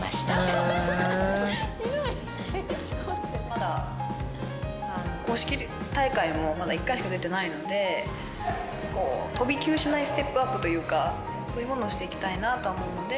まだ公式大会も１回しか出てないのでこう飛び級しないステップアップというかそういうものをしていきたいなとは思うので。